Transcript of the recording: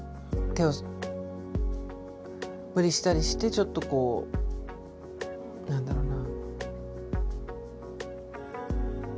無理したりしてちょっとこう何だろうな。